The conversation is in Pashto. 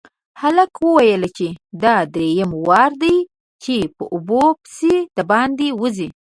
هلک وويل چې دا دريم وار دی چې په اوبو پسې د باندې وځي.